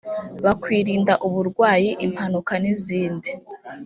bakwirinda uburwayi impanuka n izindi